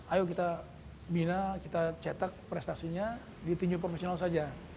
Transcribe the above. ayo kita bina kita cetak prestasinya di tinju profesional saja